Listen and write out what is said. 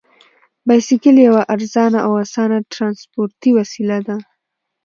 بایسکل یوه ارزانه او اسانه ترانسپورتي وسیله ده.